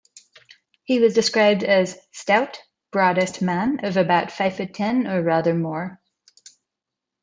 He was described as "stout, broadest man of about five-foot ten, or rather more".